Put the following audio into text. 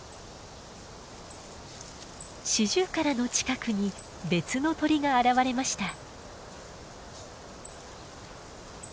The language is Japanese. シジュウカラの近くに別の鳥が現れました。